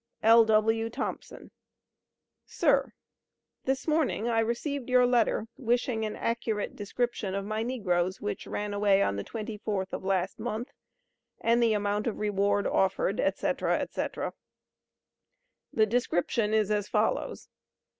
L.W. THOMPSON: SIR, this morning I received your letter wishing an accurate description of my Negroes which ran away on the 24th of last month and the amt of reward offered &c &c. The description is as follows.